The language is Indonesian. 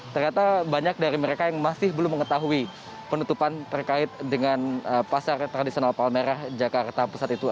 ternyata banyak dari mereka yang masih belum mengetahui penutupan terkait dengan pasar tradisional palmerah jakarta pusat itu